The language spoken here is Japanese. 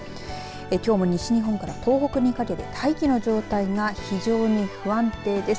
きょうも西日本から東北にかけて大気の状態が非常に不安定です。